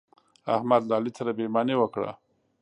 احمد له علي سره بې ايماني وکړه.